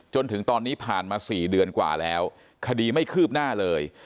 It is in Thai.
จนถึงตอนนี้ผ่านมา๔เดือนกว่าแล้วคดีไม่คืบหน้าเลย